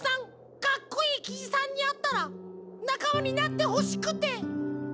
かっこいいキジさんにあったらなかまになってほしくて！